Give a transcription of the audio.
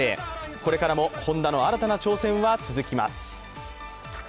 これからも本田の新たな挑戦は続きます。